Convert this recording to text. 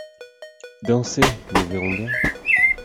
Dansez, nous verrons bien.